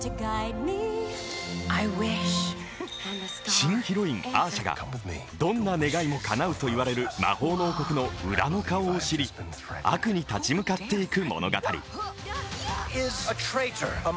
新ヒロイン・アーシャがどんな願いもかなうといわれる魔法の王国の裏の顔を知り、悪に立ち向かっていく物語。